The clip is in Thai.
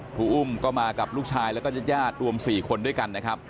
อุ้มก็มากับลูกชายแล้วก็ญาติญาติรวม๔คนด้วยกันนะครับ